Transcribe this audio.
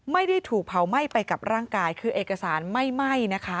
ไม่ได้ถูกเผาไหม้ไปกับร่างกายคือเอกสารไม่ไหม้นะคะ